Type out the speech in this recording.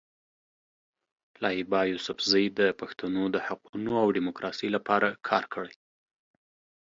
لایبا یوسفزۍ د پښتنو د حقونو او ډیموکراسۍ لپاره کار کړی.